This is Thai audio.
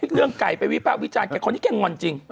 เรื่องไก่ไปวิจารณ์แกงนอนจริง